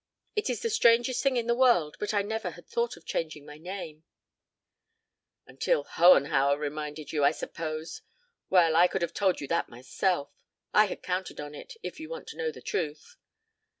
... It is the strangest thing in the world, but I never had thought of changing my name " "Until Hohenhauer reminded you, I suppose. Well, I could have told you that myself. I had counted on it, if you want to know the truth."